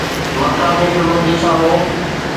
مقامي فلمن جي سامهون